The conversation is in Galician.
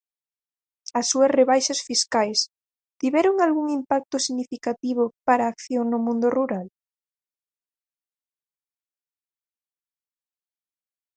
As súas rebaixas fiscais, ¿tiveron algún impacto significativo para a acción no mundo rural?